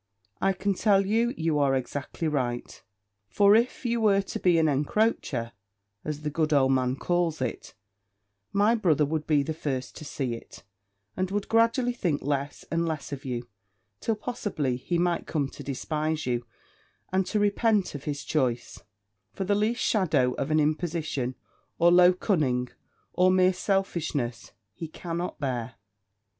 I can tell you, you are exactly right; for if you were to be an encroacher, as the good old man calls it, my brother would be the first to see it, and would gradually think less and less of you, till possibly he might come to despise you, and to repent of his choice: for the least shadow of an imposition, or low cunning, or mere selfishness, he cannot bear.